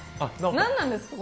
何なんですか